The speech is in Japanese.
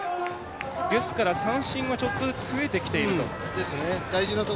ですから、三振はちょっとずつ増えてきていると。